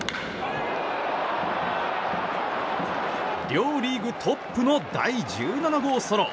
両リーグトップの第１７号ソロ。